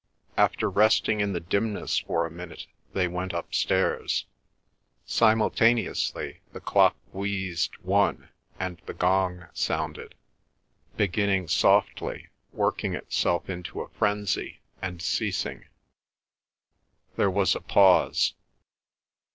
After resting in the dimness for a minute, they went upstairs. Simultaneously, the clock wheezed one, and the gong sounded, beginning softly, working itself into a frenzy, and ceasing. There was a pause.